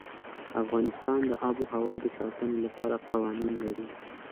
افغانستان د آب وهوا د ساتنې لپاره قوانين لري.